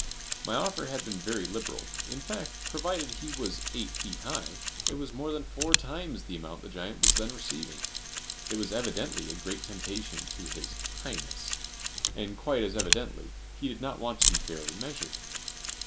My offer had been very liberal; in fact, provided he was eight feet high, it was more than four times the amount the giant was then receiving; it was evidently a great temptation to his "highness," and quite as evidently he did not want to be fairly measured.